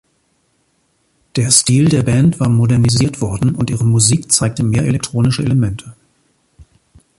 Der Stil der Band war modernisiert worden und ihre Musik zeigte mehr elektronische Elemente.